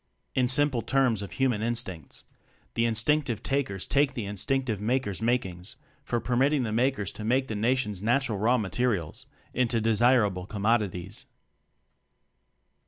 ^ In simple terms of human instincts: The Instinctive Takers take the In stinctive Makers' makings for permitt ing the Makers to make the Nation's natural raw materials into desirable commodities.